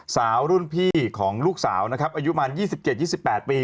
สาวรุ่นพี่ของลูกสาวนะครับอายุมัน๒๗๒๘ปี